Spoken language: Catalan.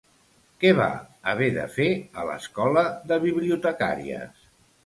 Què va haver de fer a l'Escola de Bibliotecàries?